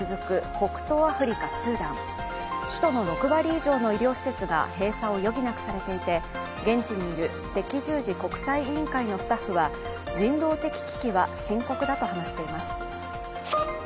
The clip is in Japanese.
北東アフリカスーダン首都の６割以上の医療施設が閉鎖を余儀なくされていて、現地にいる赤十字国際委員会のスタッフは人道的危機は深刻だと話しています。